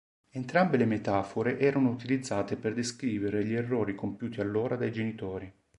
Entrambe le metafore erano utilizzate per descrivere gli errori compiuti allora dai genitori.